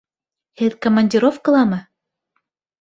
Һеҙ командировкаламы?